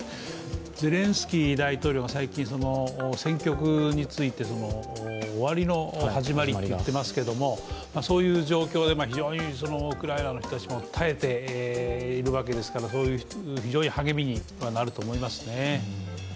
ゼレンスキー大統領が最近、戦局について終わりの始まりっていっていますけども、そういう状況でウクライナの人たちも耐えているわけですから非常に励みにはなると思いますね。